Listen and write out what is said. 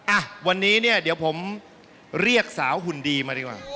อ่ะวันนี้เนี่ยเดี๋ยวผมเรียกสาวหุ่นดีมาดีกว่า